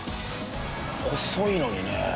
細いのにね。